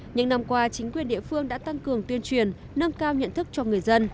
những năm qua chính quyền địa phương đã tăng cường tuyên truyền nâng cao nhận thức cho người dân